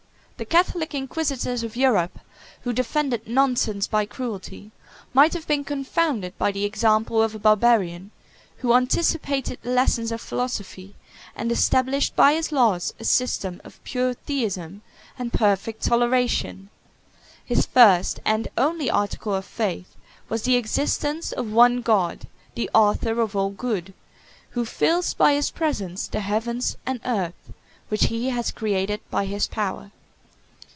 501 The Catholic inquisitors of Europe, who defended nonsense by cruelty, might have been confounded by the example of a Barbarian, who anticipated the lessons of philosophy, 6 and established by his laws a system of pure theism and perfect toleration. His first and only article of faith was the existence of one God, the Author of all good; who fills by his presence the heavens and earth, which he has created by his power.